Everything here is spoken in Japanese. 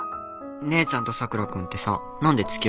姉ちゃんと佐倉君ってさ何で付き合わないの？